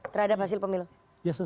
terhadap hasil pemilu